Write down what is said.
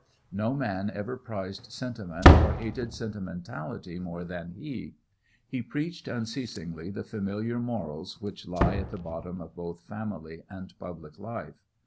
No man ever prized sentiment or hated sentimentality more than he. He preached unceasingly the familiar morals which lie at the bottom of both family and public life.